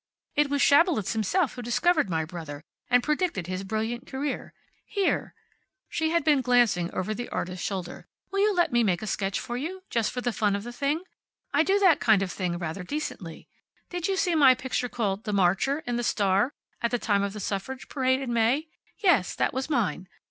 It was Schabelitz himself who discovered my brother, and predicted his brilliant career. Here" she had been glancing over the artist's shoulder "will you let me make a sketch for you just for the fun of the thing? I do that kind of thing rather decently. Did you see my picture called `The Marcher,' in the Star, at the time of the suffrage parade in May? Yes, that was mine.